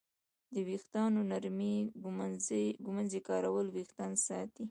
د ویښتانو نرمې ږمنځې کارول وېښتان ساتي.